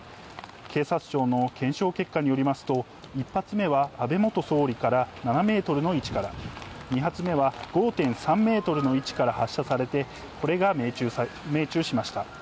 警察庁の検証結果によりますと、１発目は安倍元総理から７メートルの位置から、２発目は５．３メートルの位置から発射されて、これが命中しました。